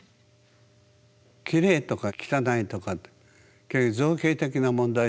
きれいとか汚いとかって結局造形的な問題でしょ。